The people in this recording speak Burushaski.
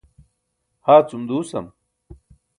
haacum duusam